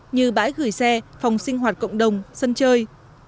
như bãi gửi xe phòng sinh hoạt cộng đồng sân chơi